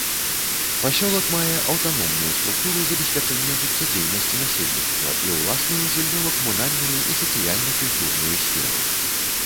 Пасёлак мае аўтаномную структуру забеспячэння жыццядзейнасці насельніцтва і ўласную жыллёва-камунальную і сацыяльна-культурную сферу.